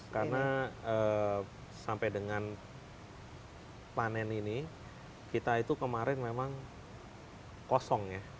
karena sampai dengan panen ini kita itu kemarin memang kosong ya